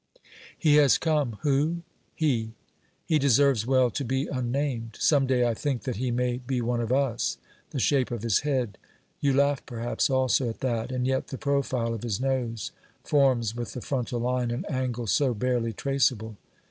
He has come. Who ? He. He deserves well to be un named. Some day I think that he may be one of us ; the shape of his head. ... You laugh perhaps also at that, and yet the profile of his nose forms with the frontal line an angle so barely traceable